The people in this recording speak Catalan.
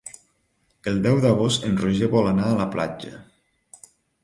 El deu d'agost en Roger vol anar a la platja.